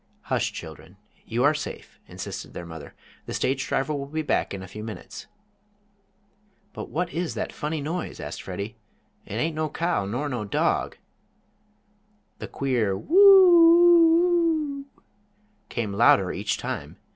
"Hush, children, you are safe," insisted their mother. "The stage driver will be back in a few minutes." "But what is that funny noise?" asked Freddie. "It ain't no cow, nor no dog." The queer "Whoo oo oo" came louder each time.